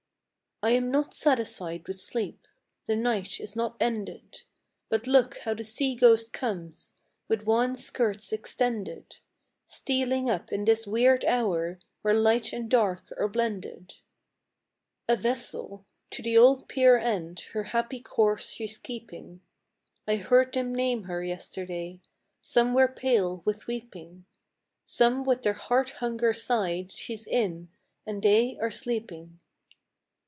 I am not satisfied with sleep, — The night is not ended, But look how the sea ghost comes, With wan skirts extended, Stealing up in this weird hour, Where light and dark are blended. A vessel! To the old pier end Her happy course she's keeping; I heard them name her yesterday: Some were pale with weeping; Some with their heart hunger sighed She's in — and they are sleeping.